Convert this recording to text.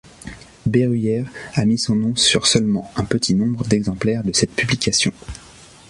Berruyer a mis son nom sur seulement un petit nombre d’exemplaires de cette publication.